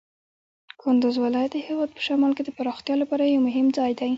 کندز ولایت د هېواد په شمال کې د پراختیا لپاره یو مهم ځای دی.